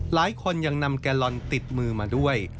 หลายคนยังนำแกลลอนติดมือมาด้วย